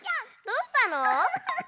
どうしたの？